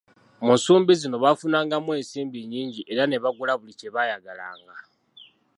Mu nsumbi zino baafunangamu ensimbi nnyingi era ne bagula buli kyebayagalanga.